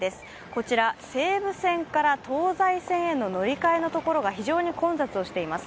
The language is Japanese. こちら西武線から東西線への乗り換えのところが非常に混雑をしております。